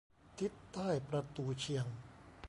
ทิศใต้ประตูเชียง